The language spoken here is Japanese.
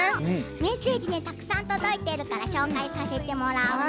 メッセージがたくさん届いているから紹介させてもらうね。